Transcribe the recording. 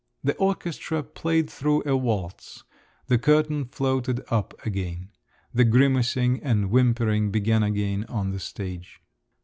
The orchestra played through a waltz, the curtain floated up again…. The grimacing and whimpering began again on the stage.